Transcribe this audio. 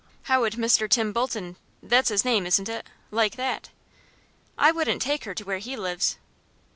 "How would Mr. Tim Bolton that's his name, isn't it? like that?" "I wouldn't take her to where he lives."